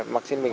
mặc trên mình